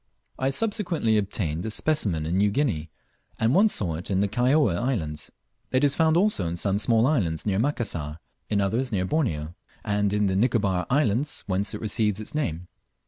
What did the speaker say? I subsequently obtained a specimen in New Guinea; and once saw it in the Kaióa islands. It is found also in some small islands near Macassar, in others near Borneo; and in the Nicobar islands, whence it receives its name.